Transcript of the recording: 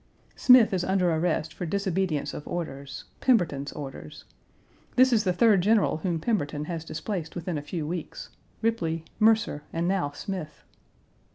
Smith is under arrest for disobedience of orders Pemberton's orders. This is the third general whom Pemberton has displaced within a few weeks Ripley, Mercer, and now Smith.